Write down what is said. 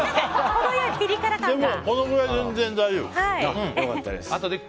でもこのくらいは全然大丈夫。